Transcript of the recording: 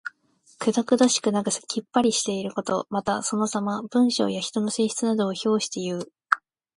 くどくどしくなくきっぱりしていること。また、そのさま。文章や人の性質などを評していう。